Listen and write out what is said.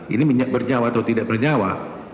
ini minyak bernyawa atau tidak bernyawa